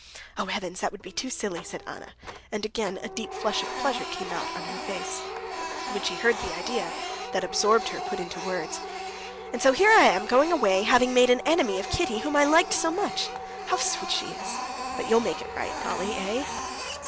"Oh, heavens, that would be too silly!" said Anna, and again a deep flush of pleasure came out on her face, when she heard the idea, that absorbed her, put into words. "And so here I am going away, having made an enemy of Kitty, whom I liked so much! Ah, how sweet she is! But you'll make it right, Dolly? Eh?"